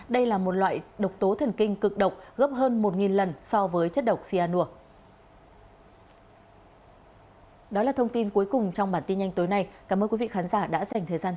đây là một loại độc tố thần kinh cực độc gấp hơn một lần so với chất độc cyanur